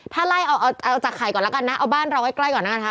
ถ้าไล่เอาเอาจากไข่ก่อนแล้วกันนะเอาบ้านเราใกล้ก่อนนะคะ